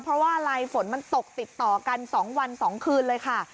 เพราะว่าอะไรฝนมันตกติดต่อกัน๒วัน๒คืนเลยค่ะ